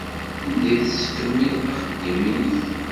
Anda ay tettkemmileḍ axeddim-nnek?